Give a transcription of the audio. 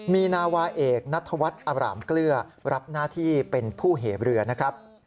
มีนาวาเอกนัทวัฒน์อาบรามเกลือรับหน้าที่เป็นผู้เหมือนะครับ